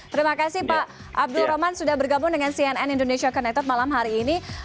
terima kasih pak abdul roman sudah bergabung dengan cnn indonesia connected malam hari ini